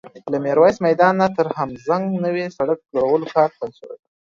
له ميرويس میدان نه تر دهمزنګ د نوي سړک جوړولو کار پیل شوی